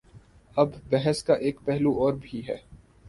اس بحث کا ایک پہلو اور بھی ہے۔